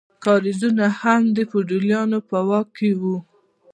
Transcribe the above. کاریزونه هم د فیوډالانو په واک کې وو.